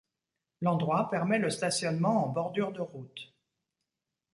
L’endroit permet le stationnement en bordure de route.